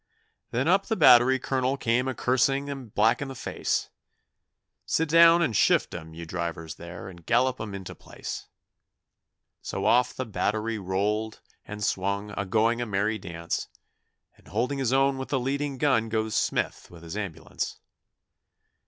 Then up the Battery Colonel came a cursing 'em black in the face. 'Sit down and shift 'em, you drivers there, and gallop 'em into place.' So off the Battery rolled and swung, a going a merry dance, And holding his own with the leading gun goes Smith with his ambulance.